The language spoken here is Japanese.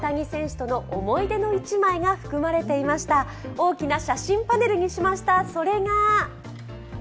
大きな写真パネルにしました。